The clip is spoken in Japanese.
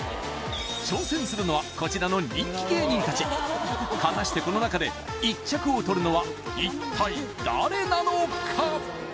挑戦するのはこちらの人気芸人たち果たしてこの中で１着をとるのは一体誰なのか？